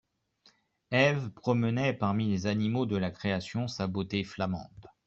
Eve promenait parmi les animaux de la création sa beauté flamande.